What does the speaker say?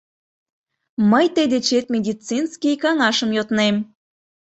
— Мый тый дечет медицинский каҥашым йоднем.